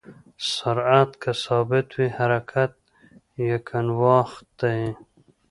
سرعت که ثابت وي، حرکت یکنواخت دی.